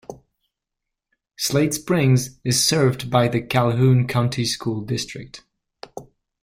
Slate Springs is served by the Calhoun County School District.